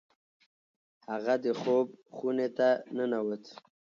هغه د خوب خونې ته ننوت.